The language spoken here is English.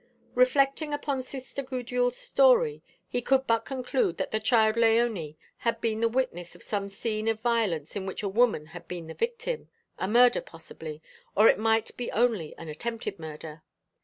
Reflecting upon Sister Gudule's story, he could but conclude that the child Léonie had been the witness of some scene of violence in which a woman had been the victim a murder possibly, or it might be only an attempted murder.